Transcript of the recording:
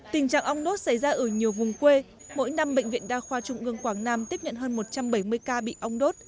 tỷ lệ cứu sống hơn một trăm bảy mươi ca bị ong đốt